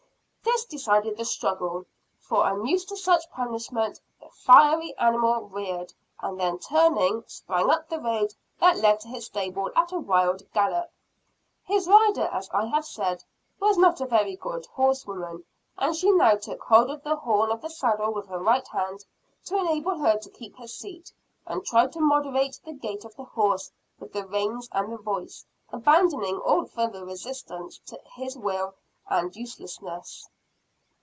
This decided the struggle; for, unused to such punishment, the fiery animal reared, and then turning, sprang up the road that led to his stable at a wild gallop. His rider as I have said, was not a very good horse woman, and she now took hold of the horn of the saddle with her right hand, to enable her to keep her seat; and tried to moderate the gait of the horse with the reins and the voice, abandoning all further resistance to his will as useless.